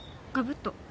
がぶっと。